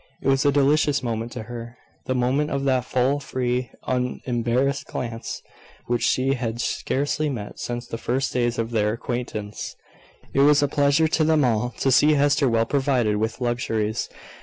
It was a delicious moment to her the moment of that full, free, unembarrassed glance, which she had scarcely met since the first days of their acquaintance. It was a pleasure to them all to see Hester well provided with luxuries.